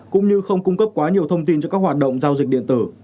cũng như không cung cấp quá nhiều thông tin cho các hoạt động giao dịch điện tử